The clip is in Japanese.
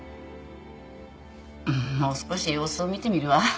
もう少し様子を見てみるわ。